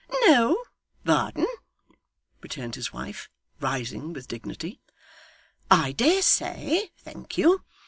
'No, Varden,' returned his wife, rising with dignity. 'I dare say thank you!